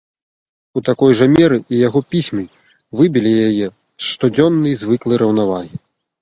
У такой жа меры і яго пісьмы выбілі яе з штодзённай звыклай раўнавагі.